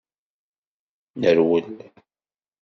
Nerwel.